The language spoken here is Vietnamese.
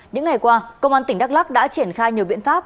những ngày qua công an tỉnh đắk lắc đã triển khai nhiều biện pháp